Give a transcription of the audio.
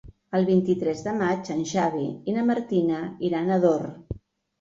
El vint-i-tres de maig en Xavi i na Martina iran a Ador.